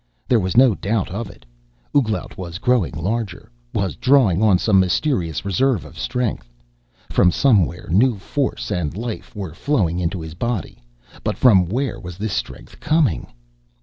There was no doubt of it. Ouglat was growing larger, was drawing on some mysterious reserve of strength. From somewhere new force and life were flowing into his body. But from where was this strength coming?